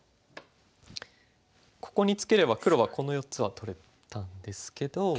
ここにツケれば黒はこの４つは取れたんですけど。